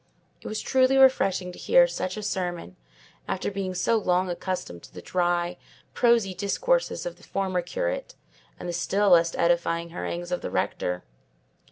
It was truly refreshing to hear such a sermon, after being so long accustomed to the dry, prosy discourses of the former curate, and the still less edifying harangues of the rector.